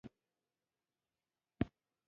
اوس داسې څوک شته چې وطن ته په سترګه وګوري.